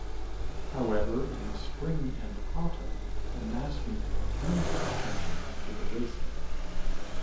However, in spring and autumn, the mass media turns its attention to the racing.